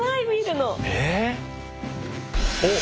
おっ。